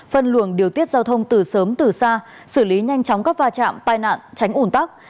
phân luồng điều tiết giao thông từ sớm từ xa xử lý nhanh chóng các va chạm tai nạn tránh ủn tắc